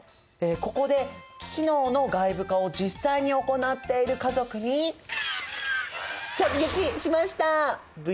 ここで機能の外部化を実際に行っている家族に直撃しました！